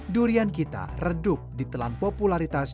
durian kita redup di telan popularitas